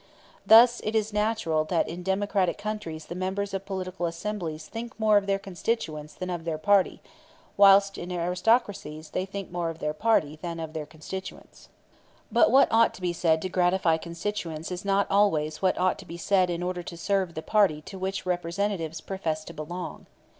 Thus it is natural that in democratic countries the members of political assemblies think more of their constituents than of their party, whilst in aristocracies they think more of their party than of their constituents. But what ought to be said to gratify constituents is not always what ought to be said in order to serve the party to which Representatives profess to belong.